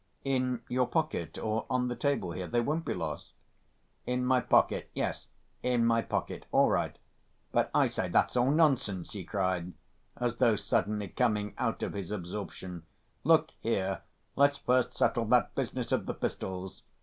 "In your pocket, or on the table here. They won't be lost." "In my pocket? Yes, in my pocket. All right.... But, I say, that's all nonsense," he cried, as though suddenly coming out of his absorption. "Look here, let's first settle that business of the pistols.